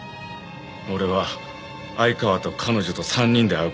俺は相川と彼女と３人で会う事を提案した。